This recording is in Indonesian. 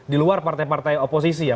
di luar partai partai oposisi ya